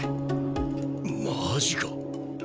マジか。